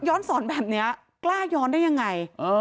สอนแบบนี้กล้าย้อนได้ยังไง